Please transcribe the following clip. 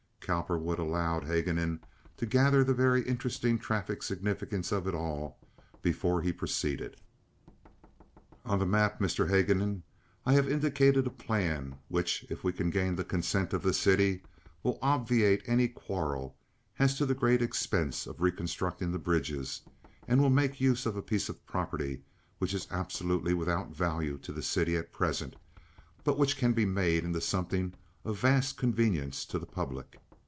Cowperwood allowed Haguenin to gather the very interesting traffic significance of it all before he proceeded. "On the map, Mr. Haguenin, I have indicated a plan which, if we can gain the consent of the city, will obviate any quarrel as to the great expense of reconstructing the bridges, and will make use of a piece of property which is absolutely without value to the city at present, but which can be made into something of vast convenience to the public.